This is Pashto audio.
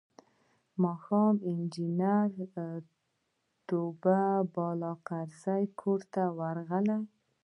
ماښام انجنیر تواب بالاکرزی کور ته راغی.